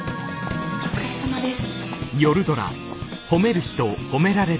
お疲れさまです。